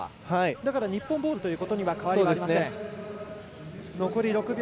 だから日本ボールということには変わりまりません。